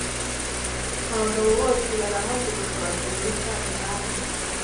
Abagabo bose barahaguruka bajya muri cya gihande